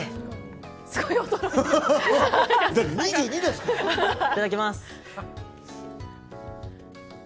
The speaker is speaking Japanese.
いただきます。